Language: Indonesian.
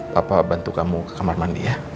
bapak bantu kamu ke kamar mandi ya